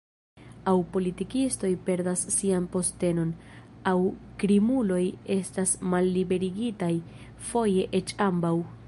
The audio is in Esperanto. Aŭ politikistoj perdas sian postenon, aŭ krimuloj estas malliberigitaj, foje eĉ ambaŭ.